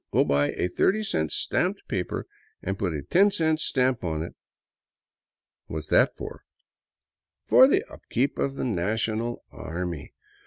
Go buy a thirty cent stamped paper and put a ten cent stamp on it —" "What's that for?" " For the up keep of the national army.